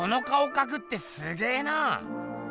かくってすげな。